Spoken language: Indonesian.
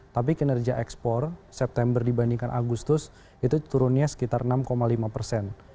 tapi kinerja ekspor september dibandingkan agustus itu turunnya sekitar enam lima persen